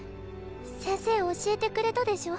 先生教えてくれたでしょ。